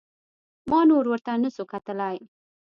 ما نور ورته نسو کتلاى.